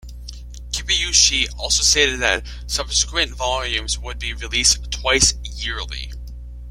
Kibuishi also stated that subsequent volumes would be released twice-yearly.